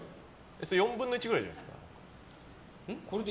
それ４分の１くらいじゃないですか。